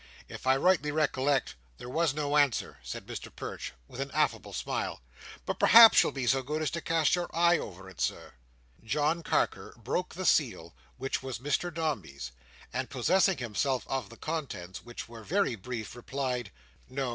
"If I rightly recollect, there was no answer," said Mr Perch, with an affable smile; "but perhaps you'll be so good as cast your eye over it, Sir." John Carker broke the seal, which was Mr Dombey's, and possessing himself of the contents, which were very brief, replied, "No.